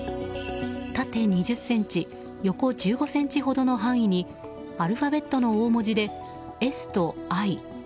縦２０ｃｍ横１５ｃｍほどの範囲にアルファベットの大文字で「ＳとＩ」